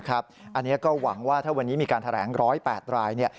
อันนี้ก็หวังว่าถ้าวันนี้มีการแถลง๑๐๘ราย